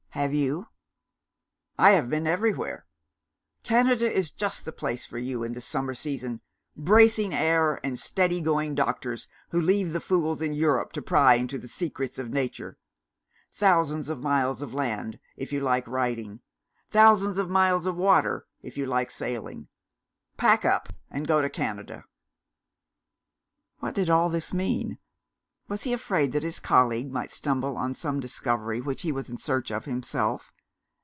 Have you?" "I have been everywhere. Canada is just the place for you, in this summer season. Bracing air; and steady going doctors who leave the fools in Europe to pry into the secrets of Nature. Thousands of miles of land, if you like riding. Thousands of miles of water, if you like sailing. Pack up, and go to Canada." What did all this mean? Was he afraid that his colleague might stumble on some discovery which he was in search of himself?